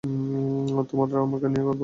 তোমার আমাকে নিয়ে গর্ব হবে।